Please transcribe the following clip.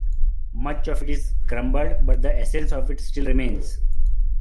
Much of it is crumbled but the essence of it still remains.